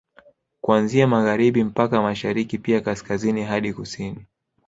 Kuanzia Magharibi mpaka Mashariki pia Kaskazini hadi Kusini